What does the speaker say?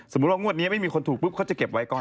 สมมุติว่างวัดนี้ไม่มีคนถูกเพิ่งเขาจะเก็บไว้ก่อน